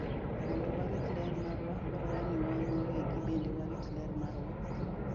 Mondo warit ler marwa, dwarore ni wan wawegi bende warit ler marwa.